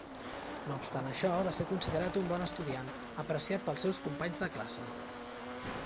No obstant això, va ser considerat un bon estudiant, apreciat pels seus companys de classe.